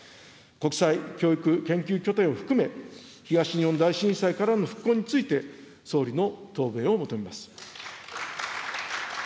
国際教育研究拠点を含め、東日本大震災からの復興について、総理の答弁を求めます。